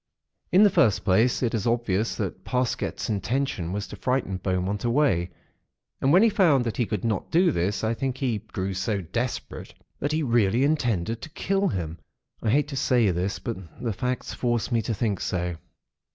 "In the first place, it is obvious that Parsket's intention was to frighten Beaumont away; and when he found that he could not do this, I think he grew so desperate that he really intended to kill him. I hate to say this; but the facts force me to think so.